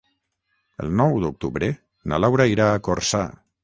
El nou d'octubre na Laura irà a Corçà.